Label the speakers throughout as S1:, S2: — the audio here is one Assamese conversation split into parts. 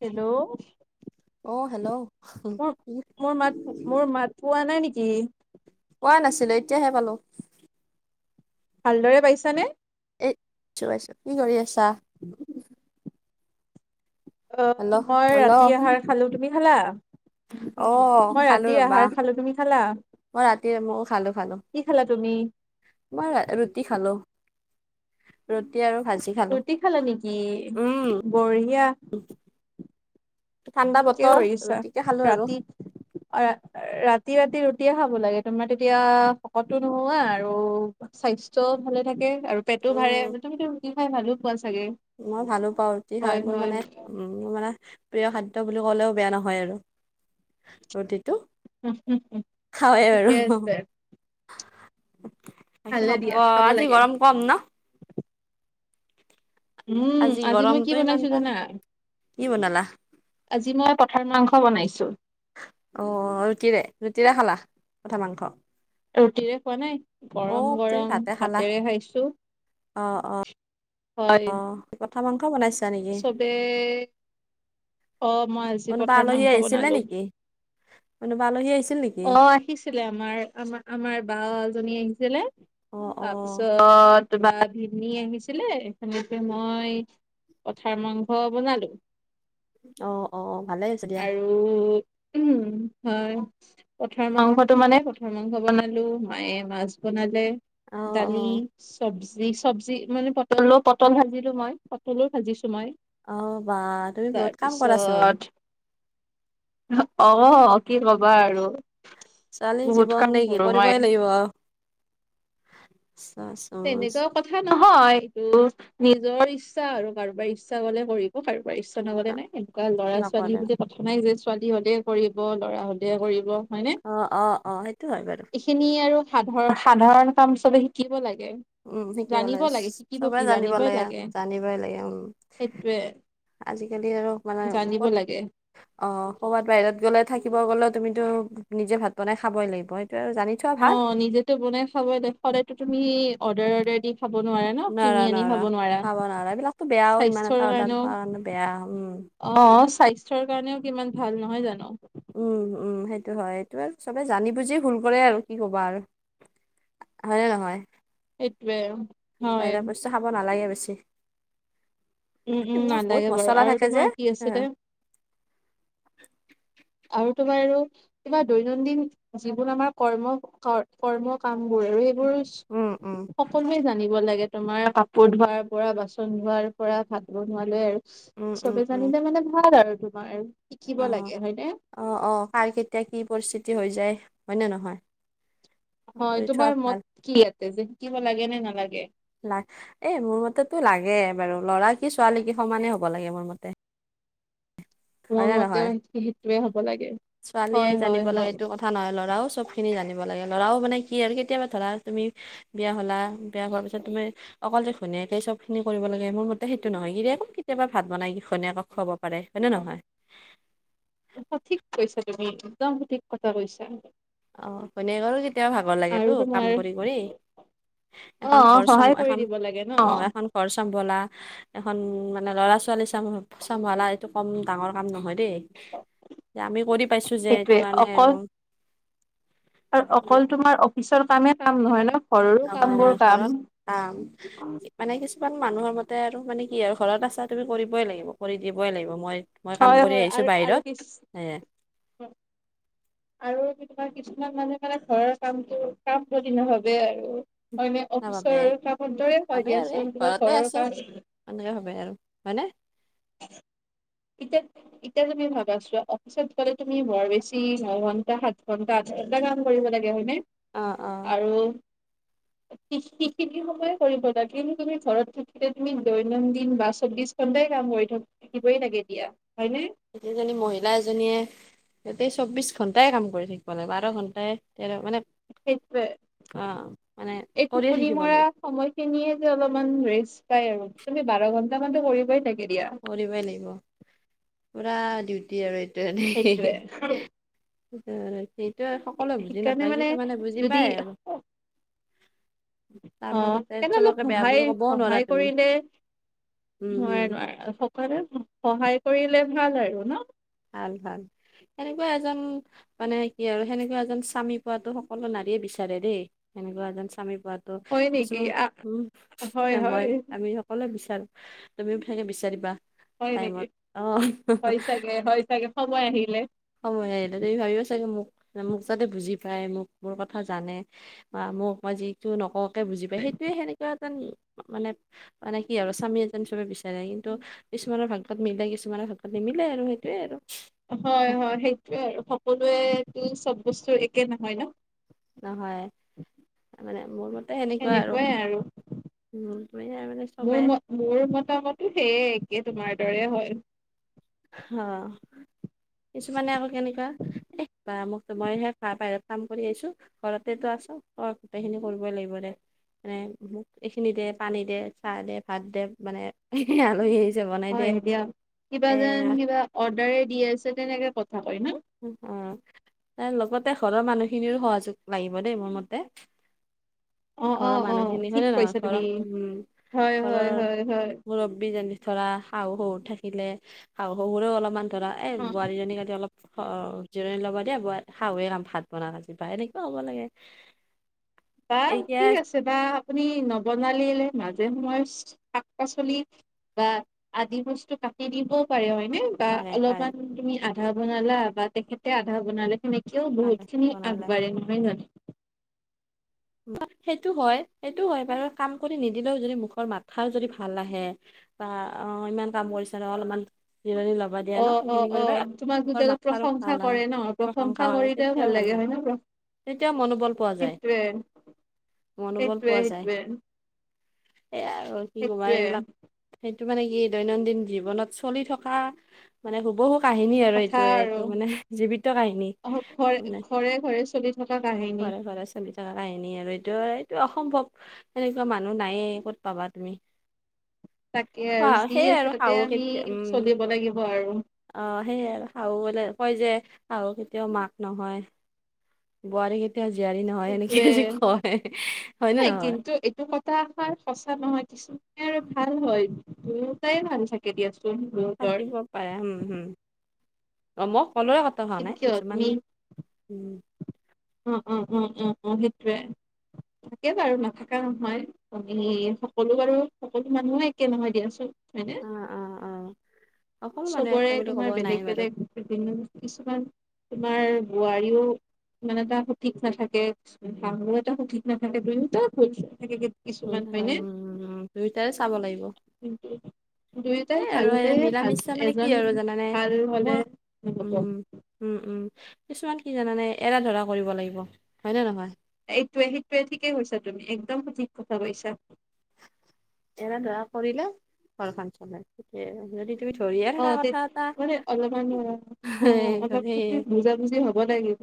S1: হেল্ল'?
S2: অ' হেল্ল'?
S1: মোৰ মোৰ মাত মোৰ মাত পোৱা নাই নেকি?
S2: পোৱা নাছিলো এতিয়াহে পালো।
S1: ভালদৰে পাইছানে?
S2: এ, চ পাইছো কি কৰি আছা? হেল্ল'
S1: অ' মই
S2: হেল্ল'
S1: ৰাতি আহাৰ খালো, তুমি খালা?
S2: অ
S1: মই
S2: খালো
S1: ৰাতি
S2: ৰবা
S1: আহাৰ খালো তুমি খালা?
S2: মই ৰাতি মই খালো খালো
S1: কি খালা তুমি
S2: মই ৰুটি খালো। [unintelligible] ভাজি খালো
S1: ৰুটি খালা নেকি
S2: উম
S1: বঢ়িয়া।
S2: ঠাণ্ডা
S1: কি
S2: বতৰ
S1: কৰিছা
S2: ৰুটিকে খালো আৰু
S1: ৰাতি ৰা ৰাতি ৰাতি ৰুটিয়ে খাব লাগে তোমাৰ তেতিয়া শকতো নোহোৱা আৰু স্বাস্থ্যও ভালে থাকে। আৰু পেটো ভাৰে
S2: উম
S1: মুমিতো ৰুটি খাই ভালো পোৱা চাগে
S2: মই ভালো পাওঁ ৰুটি খাই
S1: হয়
S2: মোৰ
S1: হয়
S2: মানে উ মোৰ মানে প্ৰিয় খাদ্য বুলি ক'লেও বেয়া নহয় আৰু।
S1: হম, হম, হম,
S2: খাওঁৱেই আৰু
S1: ঠিকে আছে।
S2: তে
S1: ভালে
S2: হ'ব
S1: দিয়া খাব
S2: আজি
S1: লাগে
S2: গৰম কম ন'?
S1: উম, আজি মই কি
S2: গৰমটো ইমান
S1: বনাইছো
S2: টান
S1: জানা
S2: কি বনালা
S1: আজি মই পথাৰ মাংস বনাইছোঁ।
S2: অ' ৰুটিৰে ৰুটিৰে খালা পথা মাংস?
S1: ৰুটিৰে খোৱা নাই
S2: অ
S1: গৰম
S2: তুমি
S1: গৰম
S2: ভাতে খালা
S1: হাতেৰে খাইছো।
S2: অ', অ', অ', সেই কথামান
S1: চবেই অ' মই আজি
S2: কোনোবা
S1: পথাৰ
S2: আলহী
S1: মাংস
S2: আহিছিলে
S1: বনালো।
S2: নেকি কোনোবা আলহী আহিছিল নেকি
S1: অ' আহিছিলে আমাৰ আমাৰ আমাৰ বাল আহিছিলে
S2: অ অ
S1: তাৰপিছত কিবা ভনি আহিছিলে সনেকে মই পথাৰ মাংস বনালো।
S2: অ', অ', ভালেই আছ দিয়া।
S1: আৰু উম হয় পথাৰ মাংসটো মানে পঠাৰ মাংস বনালো মায়ে মাছ বনালে।
S2: অ অ
S1: দালি চবজি চবজি মানে পটলো পটল ভাজিলো মই পটলো মইয়
S2: অ বা তুমি বহুত কাম কৰাচোন
S1: তাৰপিছত অ' কি কবা আৰু।
S2: ছোৱালী
S1: বহুত
S2: জীৱন
S1: কাম
S2: নেকি
S1: কৰো মই
S2: কৰিবই লাগিব।
S1: তেনেকুৱা কথা নহয় এইটো নিজৰ ইচ্ছা আৰু কাৰোবাৰ ইচ্ছা গলে কৰিব কাৰোবাৰ ইচ্ছা নগলে নাই। ল'ৰা ছোৱালী
S2: নকৰে
S1: বুলিো কথা নাই যে ছোৱালী হলে কৰিব ল'ৰা হলে কৰিব হয় ন
S2: অ অ অ সেইটো হয় বাৰু
S1: এইখিনি আৰু সাধাৰ সাধাৰণ কাম চবে শিকিব লাগে।
S2: উম, শিকিব
S1: জানিব
S2: লাগে
S1: শিকিব
S2: চবে
S1: কি
S2: জানিব
S1: জানিবই
S2: লাগে জানিবই লাগে উম,।
S1: সেইটোৱে
S2: আজিকালি আৰু মানে
S1: জানিব
S2: ক'ত
S1: লাগে
S2: অ ক'বাত বাহিৰত গ'লে থাকিব গ'লেও তুমি টো নিজে ভাত বনাই খাবই লাগিব। আৰু জানি থোৱা ভাল
S1: অ' নিজেতো বনাই খাব দে সদায়ো তুমি অৰ্ডাৰ অৰ্ডাৰ দি খাব নোৱাৰা ন কিনি আনি খাব নোৱাৰা
S2: খাব নোৱাৰা এইবিলাকতো বেয়াও ইমান এটা
S1: স্বাস্থ্যৰ
S2: অৰ্ডাৰ
S1: কাৰণেও
S2: খোৱাৰ কাৰণে বেয়া উম
S1: অ' স্বাস্থ্যৰ কাৰণেও কিমান ভাল নহয় জানো।
S2: উম, উম, সেইটো হয় এইটো আৰু চবে জানি বুজি ভুল কৰে আৰু কি ক'বা আৰু। হয়নে নহয়
S1: সেইটোৱে হয়
S2: বাহিৰে বস্তু খাব নালাগে বেছি।
S1: উম উম
S2: [unintelligible] বহুত
S1: নালাগে বাৰু
S2: মচলা
S1: আৰু
S2: থাকে যে
S1: তোমাৰ কি
S2: হ
S1: আছিলে আৰু তোমাৰ আৰু কিবা দৈনন্দিন যিবোৰ আমাৰ কৰ্ম কৰ্ম কাম বোৰ আৰু মোৰ
S2: উম উম
S1: সকলোৱে জানিব লাগে তোমাৰ কাপোৰ ধোৱাৰ পৰা বাচন ধোৱাৰ পৰা ভাত বনোৱা লৈ আৰু
S2: উম উম
S1: চবে
S2: উম
S1: জানিলে মানে ভাল আৰু তোমাৰ
S2: অ
S1: শিকিব লাগে হয় ন
S2: অ অ কাৰ কেতিয়া কি পৰিস্থিতি হৈ যায় হয় ন নহয়
S1: হয়
S2: কৰি থোৱা
S1: তোমাৰ
S2: ভাল
S1: মত কি ইয়াতে যে শিকিব লাগে নে নালাগে
S2: লা এ মোৰ মতেতো লাগে বাৰু ল'ৰা কি ছোৱালী কি সমানেই হ'ব লাগে মোৰ মতে
S1: মোৰ
S2: হয়নে নহয়
S1: মতেও সেইটোৱে হ'ব লাগে।
S2: ছোৱালীয়ে
S1: হয় হয়
S2: জানিব লাগে
S1: হয়।
S2: এইটো কথা নহয় লৰাও চব খিনি জানিব লাগে ল'ৰাও মানে কি আৰু কেতিয়াবা ধৰা তুমি বিয়া হলা বিয়া হোৱাৰ পিছত তুমি অকলতে ঘনীয়েকে চব খিনি কৰিব লাগে মোৰ মতে সেইটো নহয় কিৰেক কেতিয়াবা ভাত বনাই কি ঘনীয়ক খুৱাব পাৰে হয়নে নহয়
S1: সঠিক কৈছা তুমি একদম সঠিক কথা কৈছা
S2: অ ঘনীয়োকো কেতিয়াও ভাগৰ
S1: আৰু
S2: লাগেতো কাম
S1: তোমাৰ
S2: কৰি কৰি
S1: অ
S2: এখন ঘৰ
S1: সহায় কৰি
S2: এখন
S1: দিব লাগে ন
S2: অ এখন ঘৰচম্বলা এখন ল'ৰা ছোৱালী চ চম্ভালা এইটো কম ডাঙৰ কাম নহয় দেই আমি কৰি পাইছো যে সেইটো
S1: সেইটোৱে
S2: কাৰণে
S1: অকল
S2: আৰু
S1: আৰু অকল তোমাৰ অফিচৰ কামে কাম নহয় ন ঘৰৰো কাম
S2: নহয়
S1: বোৰ
S2: নহয়
S1: কাম
S2: ঘৰত যাম মানে কি কিমান মানুহৰ মতে আৰু মানে কি আৰু ঘৰত আছা তুমি কৰিবই লাগিব কৰি দিবই লাগিব মই মই কাম
S1: হয়
S2: কৰি
S1: হয়
S2: আহিছো
S1: আৰু আৰু
S2: বাহিৰত
S1: কি
S2: এ
S1: আৰু তোমাৰ কিছুমান মানুহে মানে ঘৰৰ কামটো কাম বুলি নাভাবে আৰু
S2: নাভাবে
S1: ওচৰৰ কামত দৰে হয়
S2: ভাবে আৰু এই
S1: দিয়াচোন দিয়াচোন
S2: ঘৰতে
S1: ঘৰৰ
S2: আছে
S1: কা
S2: এনেকে ভাবে আৰু হয়নে
S1: এতিয়া এতিয়া তুমি ভাবা আছো অফিচত গ'লে তুমি বৰ বেছি নঘন্টা সাত ঘন্টা এটা কাম কৰিব লাগে হয়নে
S2: অ অ
S1: আৰু
S2: [inaudible]
S1: সেইখিনি সময়ে কৰিব লাগে কিন্তু তুমি ঘৰত থাকিলে তুমি দৈনন্দিন বা চৌবিশ ঘন্টাই কাম কৰি থাকিবই লাগে দতিয়া
S2: সেইজনী মহিলা এজনীয়ে গতে চৌব্বিছ ঘণ্টাই কাম কৰি থাকিবানে বাৰ ঘণ্টাই তেৰ মানে
S1: সেইটোৱয়ে
S2: অ মানে
S1: এই
S2: কৰিয়ে
S1: টোপনি
S2: থাকিব
S1: মৰা
S2: লাগিব
S1: সময়খিনিয়ে অলপমান ৰেষ্ট পাই আৰু তুমি বাৰ ঘন্টা মানো কৰিবই থাকিব
S2: কৰিবই লাগিব পুৰা ডিউটি আৰু
S1: সেইটোৱে
S2: সেইটোয়ে সকলোৱে বুজি
S1: সেইকাৰণে
S2: নাপায়
S1: মানে
S2: কিছুমানে বুজি
S1: যদি
S2: পায় আৰু তাৰ
S1: অ
S2: মাজতে
S1: কেনেলোক
S2: চবকে বেয়া
S1: সহায়
S2: বুলি ক'বও নোৱাৰা
S1: সহায়
S2: তুমি
S1: কৰিলে
S2: উম উম
S1: নোৱাৰে নোৱাৰে সকলোৱে সহায় কৰিলে ভাল আৰু ন
S2: ভাল ভাল সেনেকুৱা এজন মানে কি আৰু সেনেকুৱা এজন স্বামী পোৱাতো সকলো নাৰীয়ে বিচাৰ দেই তেনেকুৱা
S1: হয় নেকি
S2: কিছুমান
S1: আ
S2: উম
S1: হয়
S2: মই
S1: হয়
S2: আমি সকললে বিচ তুমিও সনেকে বিচাৰিবা
S1: হয় নেকি
S2: টাইমত অ
S1: হয় চাগে হয় চাগে সময় আহিলে
S2: সময় আহিলে চাই মোক মোৰ কথা জানে বা মোক মই যিটো নককে বুজি পায় সেইটোয়ে সেনেকুৱা এন মানে মানে কি আৰু স্বামী এজনী চবে বিচাৰে কিন্তু কিছুমানৰ ভাগত মিলে কিছুমানৰ ভাগ্যত মিলে নিমিলে আৰু সেইটোয়ে আৰু
S1: হয় হয় সেইটোয়ে আৰু সকলোৱে চব বস্তু একে নহয় ন
S2: নহয় মানে মোৰ ম
S1: সেনেকুৱাই আৰু
S2: মানে চবে
S1: মোৰ ম মোৰ মতামতো সেয়েই একে তোমাৰ দৰে হয়।
S2: হা। কিছুমানে আকৌ কেনেকুৱা এ, বা মোক তো মইহে ভা পাই কাম কৰি আহিছোঁ, ঘৰতেতো আছ অ' গোটেইখিনি কৰিবই লাগিব দে। মানে মোক এইখিনি দে, পানী দে, চাহ দে, ভাত দে, মানে আলহী জা নাই দে।
S1: হয় দিয়া কিবা
S2: এ
S1: যেন কিবা অৰ্ডাৰে দি আছে তেনেকে কথা কয় ন'।
S2: উ, অ' তৰ লগতে ঘৰৰ মানুহখিনিৰো সহযোগ লাগিব দেই মোৰ মতে।
S1: অ'
S2: ঘৰৰ
S1: অ' অ'
S2: মানুহখিনি
S1: ঠিক
S2: হয়নে নহয়
S1: কৈছা
S2: ঘৰৰ
S1: তুমি
S2: উম,
S1: হয় হয়
S2: ঘৰৰ
S1: হয় হয়
S2: মুৰব্বী যেনে ধৰা শাহু শহু থাকিলে, শাহু শহুৰেও অলপমান ধৰা এ,
S1: অ
S2: বোৱাৰীজনীক আজি অলপ অ' জিৰনী ল'ব দিয়া ব-শাহুৱে কাম ভাত বনালে আজি বা এনেকুৱা হ'ব লাগে।
S1: বা
S2: এতিয়া
S1: কি আছে বা আপুনি নৱ বনালিলে মাজে মই শাক পাচলি বা আদি বস্তু কাটি দিবও পাৰে হয় বা
S2: পাৰে পাৰে
S1: অলপমান তুমি আধা বনালা বা তেখেতে আধা বনালে তেও
S2: পাৰে
S1: বহুতখিনি
S2: বনালে
S1: আগবাঢ়ে নহয় জানো।
S2: সেইটো হয় সেইটো হয় বাৰু কাম কৰি নিদিলেও যদি মুখৰ মাথ খাৰ যদি ভাল আহে। বা অ' ইমান কাম কৰিছে ন' অলপমান জিৰণি ল'বা দিয়া ন
S1: অ', অ',
S2: সেইখিনি কৰিবা
S1: অ' তোমাক
S2: মুখৰ
S1: যেতিয়া
S2: মাথাৰো
S1: প্ৰশংসা
S2: ভাল আহে
S1: কৰে ন' প্ৰশংসা
S2: কৰে
S1: কৰিলেও
S2: তেতিয়াও
S1: ভাল লাগে হয়। হয়নে নহয়?
S2: তেতিয়াও মনোবল পোৱা যায়। মনোবল
S1: সেইটোৱে সেইটোৱে।
S2: সেয়া আৰু কি ক'বা
S1: সেইটোৱে
S2: এইবিলাক টো মানে কি দৈনন্দিন জীৱনত চলি থকা মানে হুবহু কাহিনী আৰু
S1: কথা
S2: এইটোয়ে
S1: আৰু
S2: এইটো মানে জীৱিত কাহিনী
S1: অ, ঘৰে
S2: মানে
S1: ঘৰে ঘৰে চলি থকা কাহিনী
S2: ঘৰে ঘৰে চলি থকা কাহিনী। হিনী আৰু এইটো এইটো অসম্ভৱ তেনেকুৱা মানুহ নায়ে ক'ত পাবা তুমি।
S1: তাকে আৰু যি
S2: সেইয়াই আৰু
S1: আছে তাতে
S2: শাহু
S1: আমি
S2: কেতিয়া উম
S1: চলিব লাগিব আৰু।
S2: অ' সেয়াই আৰু শাহু গ'লে কয় যে শাহু কেতিয়াও মাক নহয়, বোৱাৰী কেতিয়াও জীয়াৰী নহয় এনেক
S1: সেইটোৱে কিন্তু এইটো কথাষাৰ সঁচা নহয়। কিছুমান আৰু ভাল হয়, দুয়োটাই ভাল থাকে দিয়াচোন। দুয়োতৰ
S2: থাকিব পাৰে হুম, হুম। সম্ব হ'লেও খতম হোৱা
S1: কিন্তু
S2: নাই
S1: কিয় তুমি
S2: কিছুমান, উম
S1: অ অ অ অ অ' হেইটোৱে। থাকে বাৰু নাথকা নহয়, আমি সকলো বাৰু সকলো মানুহে একে নহয় দিয়াচোন। হয়নে?
S2: অ অ অ অকল মানে
S1: চবৰে
S2: এটা বুলি
S1: তোমাৰ
S2: ক'ব নাই
S1: বেলেগ
S2: বাৰু
S1: বেলেগ বিভিন্ন কিছুমান তোমাৰ বোৱাৰীও মানে তাৰ ঠিক নাথাকে, শাহু এটা সঠিক নাথাকে দুয়োতো ভুল থাকে কে
S2: হ'ল নে নাই উম, দুইটাই চাব লাগিব। এ,
S1: দুয়োটাই
S2: আৰু
S1: ভাল হলে
S2: মিলা
S1: ভাল
S2: মিছা মানে কি
S1: এজন
S2: আৰু জানানে
S1: ভাল হলে
S2: মোৰ
S1: নহব
S2: উম, উম, উম, কিছুমান কি জানানে এৰা ধৰা কৰিব লাগিব হয় নে নহয়?
S1: এইটোয়ে সেইটোয়ে ঠিকেই কৈছা তুমি, একদম সঠিক কথা কৈছা।
S2: এৰা ধৰা কৰিলে ঘৰখন চলে ঠিকে যদি তুমি ধৰিয়ে থকা
S1: অ' তেত
S2: কথা এটা
S1: মানে অলপমান অ' অলপ
S2: ধৰি
S1: তি বুজাবুজি হ'ব লাগিব।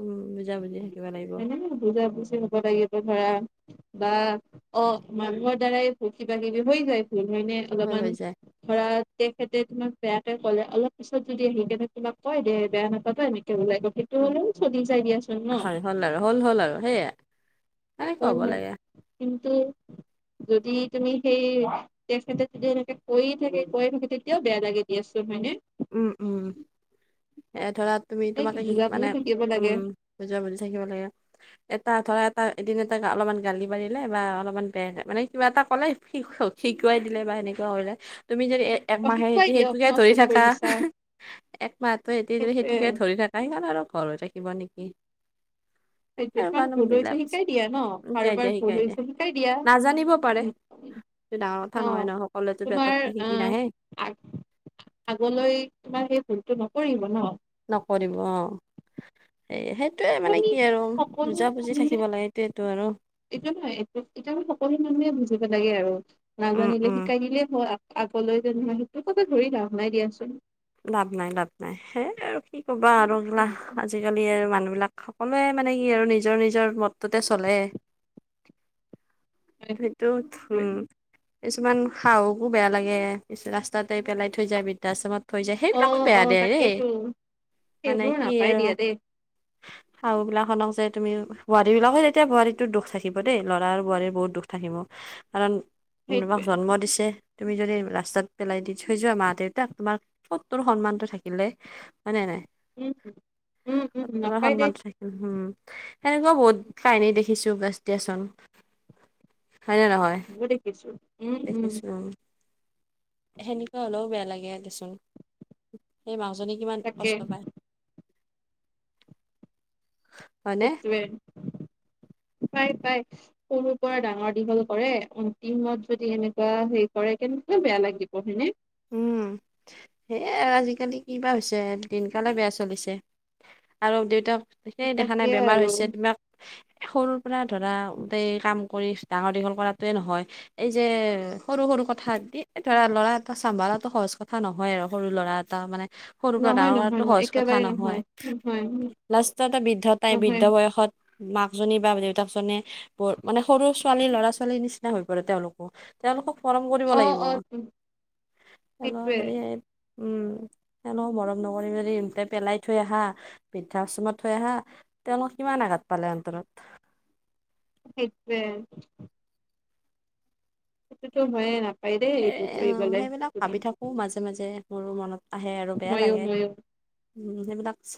S2: উম, বুজা-বুজি থাকিব লাগিব
S1: এনে বুজা বুজি হব লাগিব, ধৰা বা অ' মানুহৰ দ্বাৰাই কিবা কিবি হৈ যায়। ভুল হয়নে
S2: হ'ল
S1: অলপমান
S2: হৈ যায়।
S1: ধৰা তেতে তোমাক বেয়াকে ক'লে অলপ পিছত যদি আহি কেনে তোমাক কয় যে বেয়া নাপাবা এনে ওলাব সেইটো
S2: উম,
S1: হ'লেও চলি চাই দিয়াচোন ন'।
S2: হয় হ'ল আৰু হ'ল হ'ল আৰু সেয়া সেনেকুৱা
S1: কোন
S2: হ'ব
S1: হয়
S2: লাগে।
S1: কিন্ত। যদি তুমি সেই বেষ্ট ফ্ৰেইনণ্ডে যদি এনেকে কৈয়ে থাকে কৈ থাকে তেতিয়াও বেয়া লাগে দি আছো হয়নে।
S2: উম, উম। এ ধৰা তুমি
S1: এই
S2: তোমাকে
S1: বুজা
S2: মানে
S1: বুজি থাকিব লাগে
S2: উম, যোৱা বুলি থাকিব লাগে এটা আধৰাত টা এদিনতে অলপমান গালি পাৰিলে বা অলপমান বেয়াে মানে কিবা এটা ক'লে শ শিকুৱাই দিলে বা। এনেকুৱা হ'লে তুমি যদি
S1: অ
S2: একমাহে
S1: শিকুৱাই
S2: সিটো
S1: দিয়ক
S2: সেইটোকে
S1: ন
S2: ধৰি
S1: ভুল
S2: থাকা।
S1: কৰিছা
S2: এক মাহটো এ দে
S1: সেইটোৱে
S2: সেইটোকে ধৰি থকা সেইখন আৰু ঘৰৰ হৈ থাকিব নেকি? ইহ
S1: সেইটো তোমাৰ ভুল হৈছে শিকাই দিয়া ন
S2: শিকাই দিয়া
S1: কাৰোবাৰ
S2: শিকাই
S1: ভুল
S2: দিয়া
S1: হৈছে শিকাই দিয়া।
S2: হেইটো ডাঙৰ
S1: অ
S2: কথা নহয় ন সকলোৱতো
S1: তোমাৰ
S2: পেটতে শিকি
S1: আহ
S2: নাহে।
S1: আগ আগলৈ তোমাৰ সেই ভুলতটো নকৰিব ন।
S2: নকৰিব অ' সেই সেইটোয়ে
S1: ত
S2: মানে
S1: আমি
S2: কি আৰু
S1: সকলো
S2: বুজা বুজি
S1: মানুহে
S2: থাকিব লাগে এইটোয়টো আৰু।
S1: এইটো নহয় এতিয়া আ সকলো মানুহে বুজিব লাগে আৰু।
S2: উম
S1: নাজানিলে
S2: উম
S1: শিকাই নিলেই হয় আগলৈ যেনহ স তোক কথাক ধৰি লাভ নাই দিয়াচোন।
S2: লাভ নাই, লাভ নাই, সেই আৰু কি ক'বা আৰু এইলা আজিকালি মানুহ বিলাক সকলোৱে মানে কি আৰু নিজৰ নিজৰ মতটোতে চলে। সেইটো উম,
S1: অ
S2: কিছুমান সাহকো বেয়া লাগে। দে পিছ ৰাস্তাতে পেলাই থৈ যায় বৃদ্ধাশ্ৰমত। থ যায় সেইবিলাকো
S1: অ
S2: বেয়া দে এই
S1: তাকেতো
S2: মানে
S1: সেইবোৰ
S2: কি
S1: নাপাই
S2: আৰু
S1: দিয়া দেই
S2: আৰু বিলাকখনক যে তুমি বোৱাৰী বিলাকে যেতিয়া বোৱাৰীতত দুখ থাকিব দেই ল'ৰা আৰু বোৱাৰীৰ বহুত দুখ থাকিব। কাৰণ তোমাক
S1: সেইটোৱে
S2: জন্ম দিছে। তুমি যদি ৰাস্তাত পেলাই দি থৈ যোৱা মা দেউতাক তোমাক। ক'ত তোৰ সন্মানটো থাকিলে। হয় নাই নাই
S1: উম উম উম
S2: তোমাৰ
S1: নাপাই দেই
S2: সন্মান থাকিল হম। সেনেকুৱা বহুত কাহিনী দেখিছো বেছ দিয়াচোন। হয়নে নহয়
S1: মই দেখিছো উম উম
S2: দেখিছো। সেনেকুৱা হ'লেও বেয়া লাগে দেচোন। সেই মা যদি কিমান
S1: তাকে
S2: কষ্ট পায়। হয়নে
S1: এইটোৱে। পাই, পাই, সৰুৰ পৰা ডাঙৰ দীঘল কৰে। অন্তিমত যদি এনেকুৱা হে কৰে। কিন্ত, কিয় বেয়া লাগিব হয়নে।
S2: উম, সেই আৰু আজিকালি কিবা হৈছে। দিনকালে বেয়া চলিছে। আৰু দেউতাক। সেই দেখা
S1: তাকে
S2: নাই বেমাৰ
S1: আৰু
S2: হৈছে, তোমাক সৰুৰ পৰা ধৰা গোটেই কাম। কৰি ডাঙৰ দীঘল কৰাটোৱে নহয়। এই যে সৰু সৰু কথা দি ধৰা ল'ৰাত। চাম্ভালো সহজ কথা নহয় আৰু সৰু ল'ৰা এটা মানে। সৰু পৰা
S1: নহয়
S2: ডাঙৰ কৰাতো
S1: নহয় নহয়
S2: সহজ কথা
S1: একেবাৰে
S2: নহয়,
S1: নহয়
S2: লাষ্টত এ বৃদ্ধটাই বৃদ্ধ
S1: নহয়
S2: বয়সত। মাক জনী বা দেউতাক জনে বৰ মানে সৰু ছোৱালী ল'ৰা ছোৱালীৰ নিচিনা হৈ পৰে, তেওঁলোকো, তেওঁলোকক গৰম কৰিব
S1: অ
S2: লাগিব
S1: অ সেইটোৱে
S2: যদি স উম, তেওঁলোকক মৰম নকৰিম যদি ইনকে পেলাই থৈ আহা বৃদ্ধা আশ্ৰমত থৈ আহা তেওঁলোক কিমান আ তাঁত পালে অন্তৰত।
S1: সেইটোৱে সেইটো হয়য় নাপ।
S2: সেই সেইবিলাক ভাবি থাকো মাজে মাজে। মোৰো মনত আহে আৰু বেয়া
S1: ময়ো
S2: লাগে
S1: ময়ো
S2: উম, সেইবিলাক চাই।